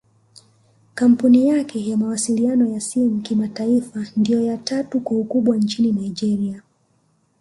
Kampuni yake ya mawasiliano ya simu kimataifa ndio ya tatu kwa ukubwa nchini Nigeria